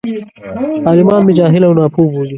عالمان مې جاهل او ناپوه بولي.